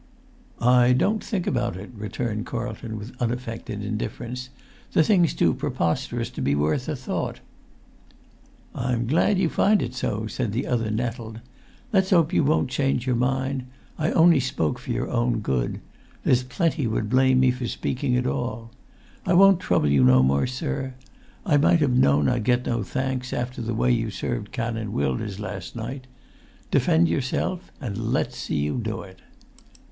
"I don't think about it," returned Carlton, with unaffected indifference. "The thing's too preposterous to be worth a thought." "I'm glad you find it so," said the other, nettled; "let's hope you won't change your mind. I only spoke for your own good; there's plenty would blame me for speaking at all. I won't trouble you no more, sir. I might have known I'd get no thanks, after the way you served Canon Wilders last night. Defend yourself, and let's see you do it!"